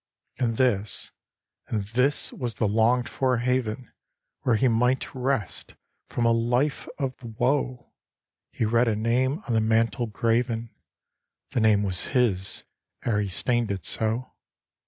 And this, and this was the longed for haven Where he might rest from a life of woe; He read a name on the mantel graven The name was his ere he stained it so.